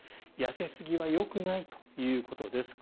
痩せすぎはよくないということです。